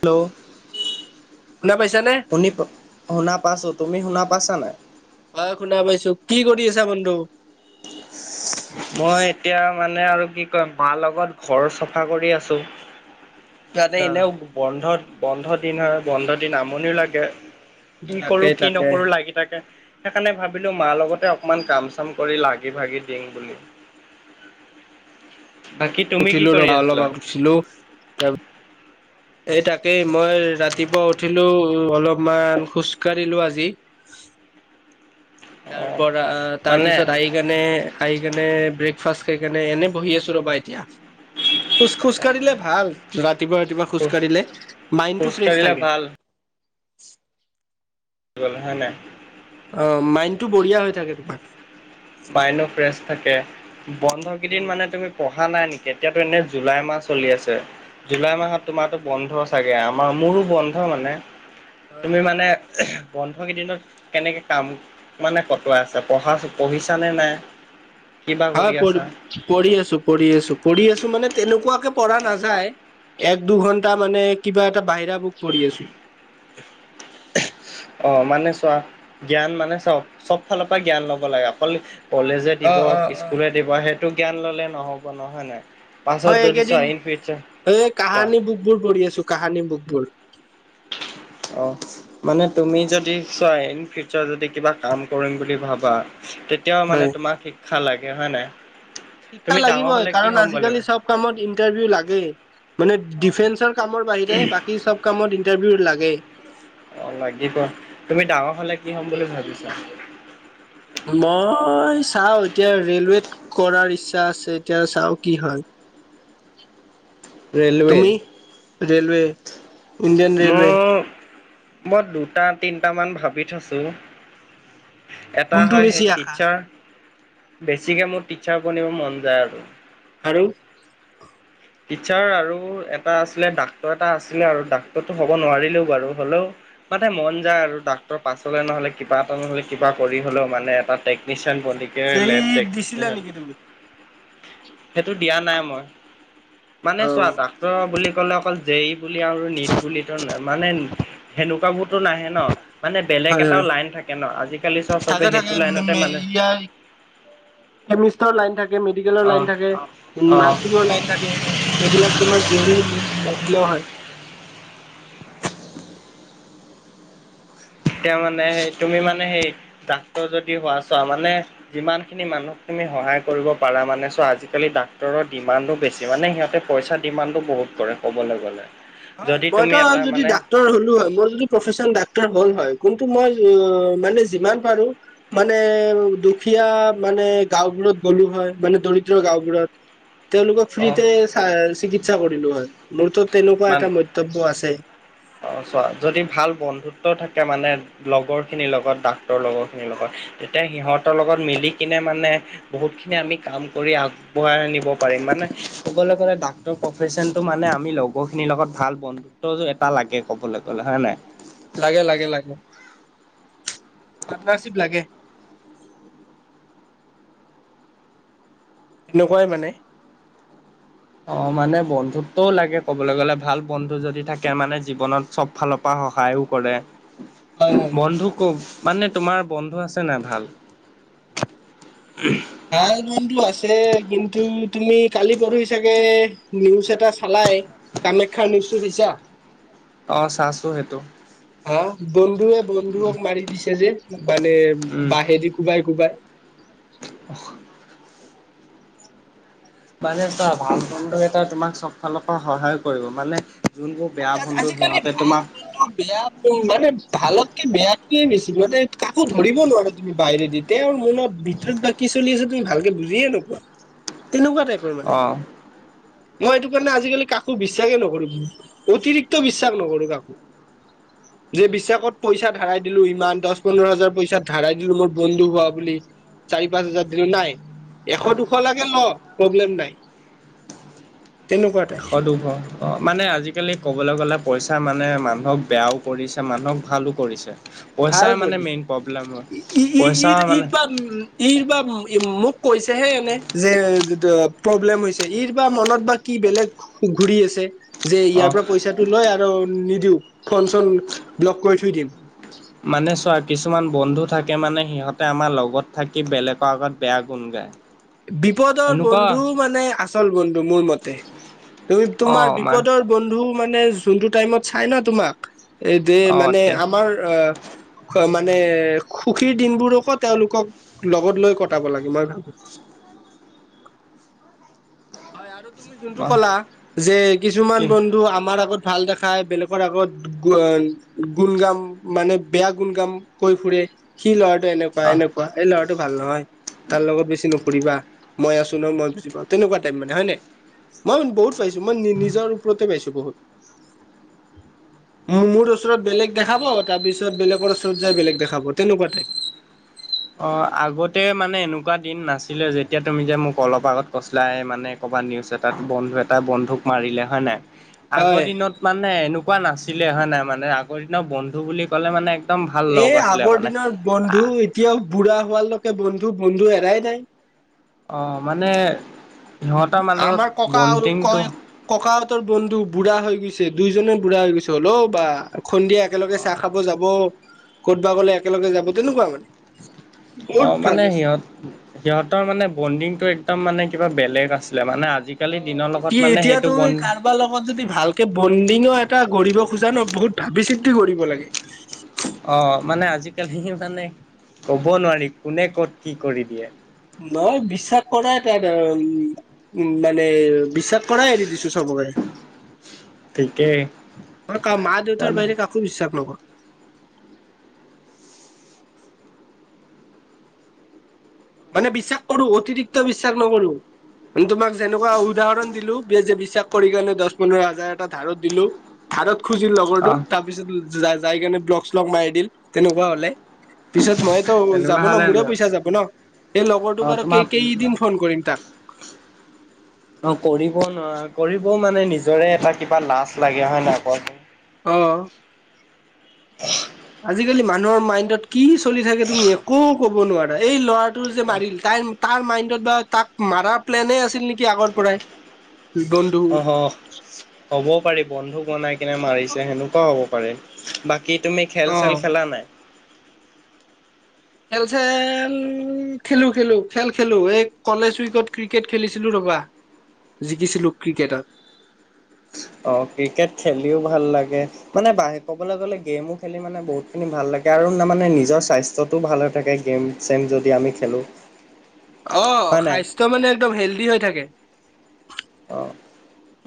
Hello, শুনা পাইছা নে? শুনি শুনা পাইছোঁ, তুমি শুনা পাইছা নাই? হয়, শুনা পাইছো। কি কৰি আছা বন্ধু? মই এতিয়া মানে আৰু কি কয় মাৰ লগত ঘৰ চাফা কৰি আছো। ইয়াতে আচ্ছা এনেও বন্ধ-বন্ধ দিন হয়, বন্ধ দিন আমনিও লাগে। কি তাকে কৰো কি তাকে নকৰো লাগিল। তাকে, সেইকাৰণে ভাবিলো মাৰ লগতে অকমান কাম চাম কৰি লাগি ভাগি দিম বুলি। বাকী তুমি কি উঠিলো কৰি ৰবা আছিলা? অলপ উঠছিলো। এই তাকেই মই ৰাতিপুৱা উঠিলো অলপমান খোজকাঢ়িলো আজি। অ তাৰ পৰা তাৰ মানে পিছত আহি আহি কেনে, আহি কেনে ব্ৰেকফাষ্ট খায় কেনে এনে বহি আছো ৰ'বা এতিয়া। খোজ-খোজ কাঢ়িলে ভাল ৰাতিপুৱা-ৰাতিপুৱা খোজ কঢ়িলে মাইণ্ড খোজ টো ফ্ৰেছ কাঢ়িলে থাকে। ভাল গলা হয় নাই। অঁ, মাইণ্ডটো বঢ়িয়া হৈ থাকে তোমাৰ। মাইণ্ডো ফ্ৰেছ থাকে। বন্ধ কেইদিন উম মানে তুমি পঢ়া নাই নেকি? এতিয়াতো এনে জুলাই মাহ চলি আছে। জুলাই মাহত তোমাৰো বন্ধ চাগে। আমাৰ মোৰো বন্ধ মানে। হয় তুমি হয় হয়। মানে বন্ধ কেইদিনত কেনেকে কাম মানে কটোৱা আছে পঢ়া - পঢ়িছা নে নাই? কিবা হয় কৰি প আছা? পঢ়ি আছো পঢ়ি আছো পঢ়ি আছো মানে তেনেকুৱাকে পঢ়া নাযায়। এক দুঘন্টা মানে কিবা এটা বাহিৰা বুক পঢ়ি আছো। অ, মানে চোৱা জ্ঞান মানে চব চব ফালৰ পৰা জ্ঞান ল'ব লাগে। অকল কলেজে অ দিব, অ অ স্কুলে দিব সেইটো জ্ঞান ল'লে নহ'ব নহয় হয় নাই? পাছত মই যদি চোৱা এইকেইদিন ইন ফিউচাৰ এই কোৱা কাহানি বুক বোৰ পঢ়ি আছো কাহানি বুক বোৰ। অ। মানে তুমি যদি চোৱা ইন ফিউচাৰ যদি কিবা কাম কৰিম বুলি ভাবা তেত- তেও মানে হয় তোমাক শিক্ষা লাগে হয় নাই। শিক্ষা তুমি ডাঙৰ লাগিবই হ'লে কি কাৰণ হ'ম বুলি অ', আজিকালি চব কামত ইন্টাৰভিউ লাগে মানে ডিফেন্সৰ কামৰ বাহিৰে বাকী চব কামত ইণ্টাৰভিউ লাগে। অ লাগিব। তুমি ডাঙৰ হলে কি হ'ম বুলি ভাবিছা? মই চাওঁ। এতিয়া ৰেলৱেত- কৰাৰ ইচ্ছা আছে, এতিয়া চাও কি হয়। [inaudible] তুমি? ৰেলৱে। ইণ্ডিয়ান ৰেলৱে মই মই দুটা তিনিটামান ভাবি থৈছোঁ। এটা কোনটো হয় বেছি সেই আশা টিচাৰ, বেছিকে মোৰ টিচাৰ বনিব মন যায় আৰু। আৰু টিচাৰ আৰু এটা আছিলে ডাক্তৰ এটা আছিলে আৰু ডাক্তৰটো হ'ব নোৱাৰিলেও বাৰু। হ'লেও মানে মন যায় আৰু ডাক্তৰ পাছলৈ নহ'লে কিবা এটা নহলে কিবা কৰি হ'লেও মানে এটা টেকনিচিয়ান বন- গতিকে জে ই দিছিলা লেপটেকনিচিয়ান নেকি তুমি? সেইটো দিয়া নাই মই। মানে চোৱা অ', ডাক্তৰ বুলি ক'লে অকল জে ই বুলি আৰু নীট বুলি এ মানে সেনেকুৱা বোৰতো নাহে ন। মানে বেলেগ হয় হয়। এটাও লাইন থাকে ন। আজিকালি চোৱা থাকে চবে থাকে সেইটো লাইনতে মানে ইয়াৰ কেমিষ্টৰ লাইন থাকে, মেডিকেলৰ অ লাইন থাকে, অ নাৰ্ছিঙৰ লাইন থাকে, এম- এইবিলাক তোমাৰ দেৰি নি নিদিলেও হয়। তেওঁ মানে সেই তুমি মানে সেই ডাক্তৰ যদি হোৱা চোৱা মানে যিমানখিনি মানুহক তুমি সহায় কৰিব পাৰা মানে চোৱা আজিকালি ডাক্তৰৰ ডিমাণ্ডো বেছি মানে সিহঁতে পইচা ডিমাণ্ডটো বহুত কৰে ক'বলে গ'লে। হয় যদি তুমি মইতো এটা যদি মানে ডাক্তৰ হলো হয়, মই যদি প্ৰফেচন ডাক্তৰ হ'ল হয়। কিন্তু মই মানে যিমান পাৰো মানে দুখীয়া মানে গাওঁবোৰত গ'লো হয় মানে দৰিদ্ৰ গাওঁবোৰত। তেওঁলোকক অ ফ্ৰীতে চাই চিকিৎসা কৰিলো হয়। মোৰতো তেনেকুৱা মান এটা মন্তব্য আছে। অ চোৱা যদি ভাল বন্ধুত্ব থাকে মানে লগৰখিনিৰ লগত ডাক্তৰৰ লগৰখিনিৰ লগত, তেতিয়া হয় সিহঁতৰ লগত মিলি কিনে মানে বহুত খিনি আমি কাম কৰি আগ- বঢ়াই নিব পাৰিম, মানে কবলে গলে ডাক্টৰ প্ৰফেচনটো মানে আমি লগৰ খিনিৰ লগত ভাল বন- ত এটা লাগে ক'বলৈ গলে হয় নে নাই? লাগে লাগে লাগে। পাৰটনাৰশিপ লাগে। এনেকুৱাই মানে। অ মানে বন্ধুত্বও লাগে ক'বলৈ গ'লে ভাল বন্ধু যদি থাকে মানে জীৱনত চব ফালৰ পৰা সহায়ও কৰে। হয় হয় বন্ধুক কওক মানে তোমাৰ বন্ধু আছে নাই ভাল? হা লোনটো আছে কিন্তু তুমি কালি পৰি চাগে নিউজ এটা চালাই কামাখ্যা নিউজটো চাইছা? অ চাহছো সেইটো। হা বন্ধুৱে বন্ধুক মাৰি দিছে যে মানে উম বাঁহেদি কোবাই কোবাই। [unintelligible] মানে ত ভাল বন্ধু এটা তোমাক চব ফালৰ পৰা সহায় কৰিব মানে যোনবোৰ বেয়া বন্ধু সিহঁতে তোমাক কিন্তু বেয়া উম, মানে ভালতকে বেয়াটোৱে বেছি, মানে কাকো ধৰিব নোৱাৰে তুমি বাহিৰে দি। তেওঁৰ মনত ভিতৰত বাকী চলি আছে তুমি ভালকে বুজিয়ে নোপোৱা। তেনেকুৱা টাইপ পৰ মানে। অ মই এইটো কাৰণে আজিকালি কাকো বিশ্বাসে নকৰো। অতিৰিক্ত ত বিশ্বাস নকৰো কাকো। [inaudible] যে বিশ্বাসত পইচা ধৰাই দিলো ইমান দহ পোন্ধৰ হাজাৰ পইচা ধৰাই দিলো মোৰ বন্ধু হোৱা বুলি। চাৰি পাঁচ হাজাৰ দিলো নাই, এশ দুশ লাগে ল প্ৰব্লেম নাই। তেনেকুৱা টাইপ সদুভ অ, মানে আজিকালি কবলৈ গলে পইচা মানে মানুহক বেয়াও কৰিছে, মানুহক ভালো কৰিছে। ভাল পইচাই মানে মেইন প্ৰব্লেম হয় কৰিছে। ই- ই- ই পইচা আৰু মানে বা উম, ইৰ বা মোক কৈছেহে এনে যে প্ৰব্লেম হৈছে ইৰ বা মনত বা কি বেলেগ [unintelligible] ঘূৰি আছে। যে অ ইয়াৰ পৰা পইচাটো লয় আৰু নিদিও, ফোন চোন ব্লক কৰি থৈ দিম। মানে চোৱা কিছুমান বন্ধু থাকে মানে সিহঁতে আমাৰ লগত থাকি বেলেগৰ আগত বেয়া গুণ গায়। [inaudible] বিপদৰ এনেকুৱা বন্ধু মানে আচল বন্ধু মোৰ মতে। তুমি তোমাৰ অ' মাৰ বিপদৰ বন্ধু মানে যোনটো টাইমত চাই ন তোমাক এ যে অ' মানে তে আমাৰ অ, মানে সুখীৰ দিনবোৰকো তেওঁলোকক লগত লৈ কটাব লাগে মই ভাবো। হয় আৰু তুমি যোনটো অ' ক'লা, যে কি কিছুমান বন্ধু আমাৰ আগত ভাল দেখাই বেলেগৰ আগত গুণ গাম মানে বেয়া গুণগাম কৈ ফুৰে সি ল'ৰা এনেকুৱা - অ' এনেকুৱা এই ল'ৰাটো ভাল নহয় তাৰ লগত বেছি নুফুৰিবা। মই আছো ন মই বুজিপাও তেনেকুৱা টাইপ মানে হয় নে। মই বহুত পাইছো মই নি-নি নিজৰ ওপৰতে পাইছো বহুত। [inaudible] মোৰ ওচৰত বেলেগ দেখাব, তাৰপিছত বেলেগৰ ওচৰত যাই বেলেগ দেখাব তেনেকুৱা টাইপ। অ, আগতে মানে এনেকুৱা দিন নাছিলে যেতিয়া তুমি যে মোক অলপ আগত কৈচিলাই মানে ক'বাত নিউজ এটাত বন্ধু এটা বন্ধুক মাৰিলে হয় নাই। আগৰ হয় দিনত মানে এনেকুৱা নাছিলে হয় নাই মানে আগৰ দিনৰত বন্ধু বুলি কলে মানে একদম ভাল লগ এই আছিলে আগৰ মানে। দিনৰ বন্ধু আহ এতিয়াও বুঢ়া হোৱালৈকে বন্ধু-বন্ধু এৰাই নাই। অ, মানে সিহঁতৰ মান আমাৰ ককা আৰু বন্দিংটো কয় ককাহঁতৰ বন্ধু বুঢ়া হৈ গৈছে দুইজনে বুঢ়া হৈ গৈছে হ'ল' বা সন্দিয়া একেলগে অ' চাহ খাব যাব কতব গ'লে একেলগে যাব তেনেকুৱা মানে। অ বহুত ভাল মানে হৈছে। সিহঁত - সিহঁতৰ মানে বণ্ডিংটো একদম মানে কিবা বেলেগ আছিলে মানে আজি আজিকালি দিনৰ লগত মানে সেইটো বন বাৰ লগত যদি ভালকে বণ্ডিঙৰ এটা কৰিব খোজা ন বহুত ভাবি চিন্তি গঢ়িব লাগে। অ, মানে আজিকালি মানে কব নোৱাৰি কোনে কত কি কৰি দিয়ে। নয় বিশ্বাস কৰা এ তটা উম, উম, মানে বিশ্বাস কৰা এৰি দিছো চবকে। [inaudible] মই ক মা দেউতাৰ মানে বাহৰে কাকো বিশ্বাস নকৰো। মানে বিশ্বাস কৰো অতিৰিক্ত বিশ্বাস নকৰো। মানে তোমাক যেনেকুৱা উদাহৰণ দিলো যে বিশ্বাস কৰি কানে দহ পোন্ধৰ হাজাৰ এটা ধাৰত দিলো। ধাৰক খুজিল অ লগৰটো তাৰপিছত যাই - যাই কেনে ব্লক শ্লগ মাৰি দিল তেনেকুৱা হলে। পিছত মই তো তেনেকুৱা যাব ন হ'লে মোৰে পইচা যাব ন এই অ লগৰটোক আৰু তোমাক কেই - কেই দিন ফোন কৰিম তাক। অ, কৰিব নোৱাৰা কৰিবও মানে নিজৰে এটা কিবা লাজ লাগে হয় ন আকৌ। অ', আজিকালি মানুহৰ মাইণ্ডত কি চলি থাকে তুমি একো কব নোৱাৰা এই ল'ৰাটো যে মাৰিল তাইৰ তাৰ মাইণ্ডত বা তাক মাৰাৰ প্লেনে আছিল নেকি আগৰ পৰাই? বন অ, হ'বও পাৰি বন্ধুক বনাই কিনে মাৰিছে সেনেকুৱাও হ'ব পাৰে। বাকী তুমি খেল অ চেল খেলা নাই। খেল-খেল খেলো-খেলো খেল খেলো এই কলেজ উইকত ক্ৰিকেট খেলিছিলো ৰবা। জিকিছিলো ক্ৰিকেটত। অ, ক্ৰিকেট খেলিও ভাল লাগে। মানে ব ক'বলৈ গ'লে গেমো খেলি মানে বহুতখিনি ভাল লাগে আৰু তাৰ মানে নিজৰ স্বাস্থ্যটোও ভাল হৈ থাকে। গেম চেম যদি আমি খেলোঁ। অ, স্বাস্থ্য মানে একদম হেল্ডি হৈ থাকে। অ',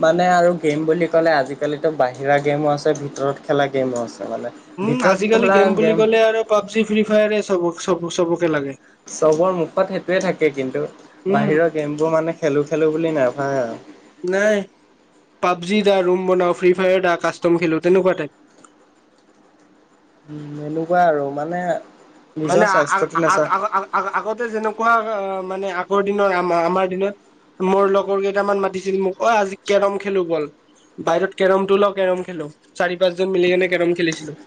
মানে আৰু গেম বুলি ক'লে আজিকালিতো বাহিৰা গেমো আছে ভিতৰত খেলা গেমো আছে মানে। উম, ভিতৰত আজিকালি খেলা গেম বুলি ক'লে আৰু পাবজি ফ্ৰী ফায়াৰে চব-চবকে লাগে। চবৰ মুখত সেইটোৱে থাকে কিন্তু উম বাহিৰৰ গেমবোৰ মানে খেলো-খেলো বুলি নাভায় আৰু। নাই পাবজি আহ ৰুম বনাও ফ্ৰী ফায়াৰ আহ কাষ্টম খেলো তেনেকুৱা টাইপ। উম, এনেকুৱা আৰু মানে। নিজৰ মানে আগ, স্বাস্থ্যটো আগ, নাচা আগ আ, আগতে যেনেকুৱা মানে আগৰ দিনৰ আম-আমাৰ দিনত। মোৰ লগৰ কেইটামান মাতিছিল মোক অ, আজি কেৰম খেলো বল। বাহিৰত কেৰমটো লও কেৰম খেলো চাৰি পাঁচজন মিলি কেনে কেৰম খেলিছিলো।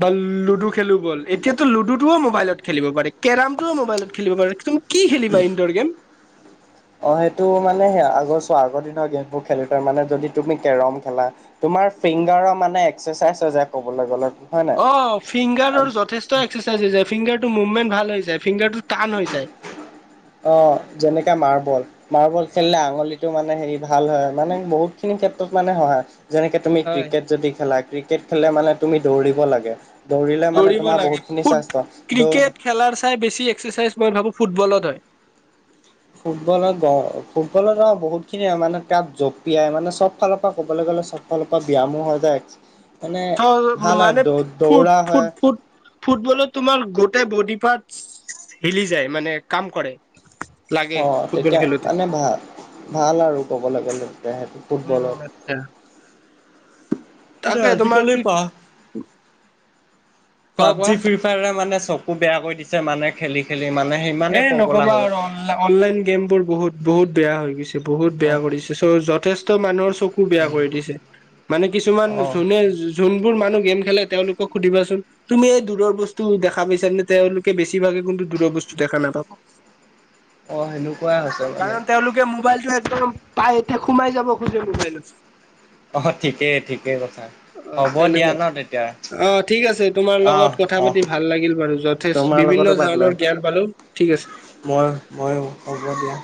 বা লুডু খেলো গল এতিয়াতো লুডুটো মোবাইলত খেলিব পাৰি, কেৰমটোও মোবাইলত খেলিব পাৰি। কি খেলিবা ইনডৰ গে'ম? অ, সেইটো মানে সেই আগৰ চ আগৰ দিনৰ গেমবোৰ খেলো তাৰ মানে যদি তুমি কেৰম খেলা। তোমাৰ ফিংগাৰৰ মানে এক্সাৰচাইজ হৈ যে কবলে গ'লে। হয় নাই অ, ফিংগাৰৰ যথেষ্ট এক্সাৰচাইজ হৈ য ফিংগাৰ টো মুভমেণ্ট ভাল হৈছে ফিংগাৰটো টান হৈ যায়। অ, যেনেকাে মাৰ্বল-মাৰ্বল খেলিলে আঙুলিটো মানে হেৰি ভাল হয় মানে বহুত খিনি ক্ষেত্ৰত মানে সহায় যেনেকে তুমি হয় ক্ৰিকেট যদি খেলা। ক্ৰিকেট খেলিলে মানে তুমি দৌৰিব লাগে দৌৰিলে মানে দৌৰিব তোমাৰ লাগে বহুতখিনি ফুট স্বাস্থ্য দৌ ক্ৰিকেট খেলাৰ চাই বেছি এক্সেচাইজ মই ভাবো ফুটবলত হয়। ফুটবলত-ফুটবলত অ, বহুত খিনিয় মানে কাপ জঁপিয়াই মানে চব ফালৰ পৰা ক'বলে গ'লে এফালৰ পৰা ব্যায়ামো হৈ যায় মানে চ ভাল হয় মানে ফু দৌ-দৌৰা ফুট হয়। ফুট ফুটবলত তোমাৰ গোটেই বডি পাৰ্ট হিলি যায় মানে কাম কৰে। লাগে অ, ফুটবল তেতিয়া খেলোতে মানে ভা-ভাল আৰু ক'বলে গ'লে তে সেইটো ফুটবলত। [unintelligible] তাকে তোমাৰ আজিকালি কি পা কোৱা কোৱা পাবজি ফ্ৰি ফ্ৰিয়াৰে মানে চকু বেয়া কৰি দিছে মানে খেলি-খেলি মানে ইমানে পগলা হয়। উম, অনলাইন গেম বোৰ বহুত বহুত বেয়া হৈ গৈছে বহুত অ বেয়া কৰিছে। তাৰ পিছৰ যথেষ্ট মানুহৰ চকু বেয়া কৰি দিছে। মানে কিছুমান অ যোনে যোনবোৰ মানুহ গেম খেলে তেওঁলোকক সুধিবাচোন? তুমি এই দূৰৰ বস্তু দেখা পাইছা নে? তেঁওলোকে বেছিভাগে কিন্তু দূৰৰ বস্তু দেখা নাপাব। অ, সেনেকুৱাই হৈছে কাৰণ মানে। তেওঁলোকে মোবাইলটো একদম পাই এতিয়া সোমাই যাব খোজে মোবাইলত। অ, ঠিকেই-ঠিকেই কৈছা। অ, তেনেকুৱা অ ঠিক আছে তোমাৰ অহ লগত কথা অহ পাতি ভাল লাগিল বাৰু। য'ত তোমাৰ লগতো বিভিন্ন পাতিলা ধৰণৰ জ্ঞান পালো ঠিক আছে। মই ময়ো হ'ব দিয়া।